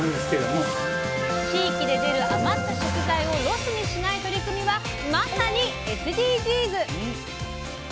地域で出る余った食材をロスにしない取り組みはまさにＳＤＧｓ。